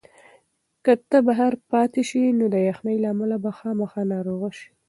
که ته بهر پاتې شې نو د یخنۍ له امله به خامخا ناروغه شې.